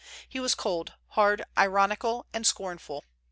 He was cold, hard, ironical, and scornful.